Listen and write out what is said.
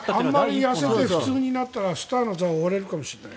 あまり痩せて普通になったらスターの座を追われるかもしれない。